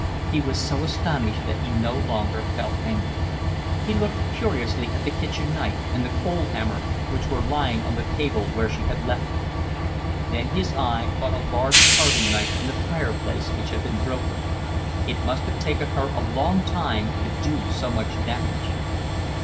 He was so astonished that he no longer felt angry. He looked curiously at the kitchen knife and the coal hammer, which were lying on the table where she had left them. Then his eye caught a large carving knife in the fireplace which had been broken. It must have taken her a long time to do so much damage.